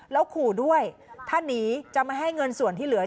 แล้วขู่ด้วยถ้าหนีจะไม่ให้เงินส่วนที่เหลือ